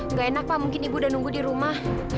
nggak enak pak mungkin ibu udah nunggu di rumah